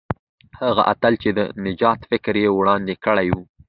هغه اتل چې د نجات فکر یې وړاندې کړی وو.